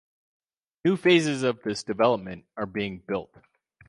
New phases of this development are being built.